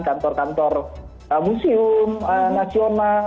kantor kantor museum nasional